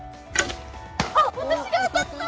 あっ私が当たった！